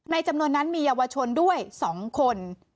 จำนวนนั้นมีเยาวชนด้วย๒คน